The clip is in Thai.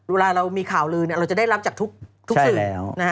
เวลาเรามีข่าวลือเนี่ยเราจะได้รับจากทุกสื่อใช่แล้ว